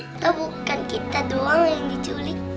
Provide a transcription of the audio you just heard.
kita bukan kita doang yang diculik